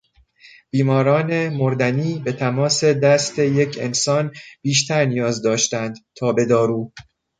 بیماران مردنی به تماس دست یک انسان بیشتر نیاز داشتند تا به دارو.